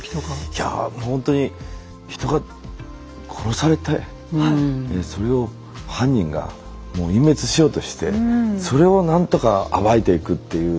いやほんとに人が殺されてそれを犯人がもう隠滅しようとしてそれを何とか暴いていくっていう